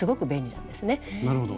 なるほど。